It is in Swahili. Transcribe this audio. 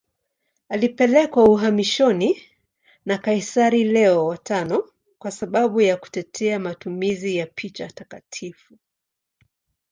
Alipelekwa uhamishoni na kaisari Leo V kwa sababu ya kutetea matumizi ya picha takatifu.